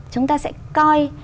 chúng ta sẽ coi